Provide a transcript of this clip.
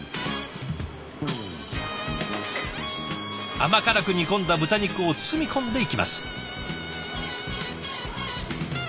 甘辛く煮込んだ豚肉を包み込んでいきます。